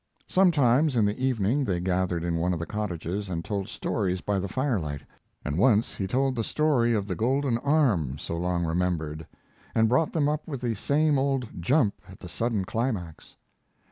Sometimes, in the evening, they gathered in one of the cottages and told stories by the firelight, and once he told the story of the Golden Arm, so long remembered, and brought them up with the same old jump at the sudden climax.